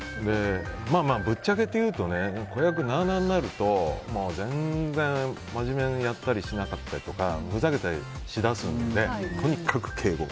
ぶっちゃけて言うと子役、なあなあになると全然、真面目にやったりしなかったりとかふざけたりしだすのでとにかく敬語。